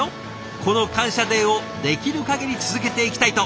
「この感謝デーをできる限り続けていきたい」と。